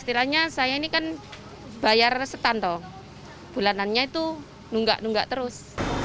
istilahnya saya ini kan bayar setanto bulanannya itu nunggak nunggak terus